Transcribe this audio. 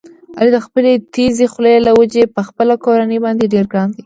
علي د خپلې تېزې خولې له وجې په خپله کورنۍ باندې ډېر ګران دی.